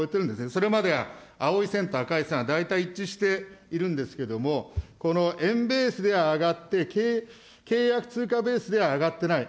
それまでは青い線と赤い線は大体一致しているんですけれども、この円ベースで上がって、契約通貨ベースでは上がっていない。